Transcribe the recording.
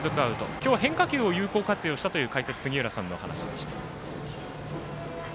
今日は変化球を有効活用したという解説、杉浦さんのお話でした。